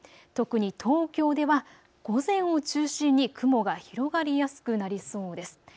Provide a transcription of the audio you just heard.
特に東京では午前を中心に雲が広がりやすくなりそうです。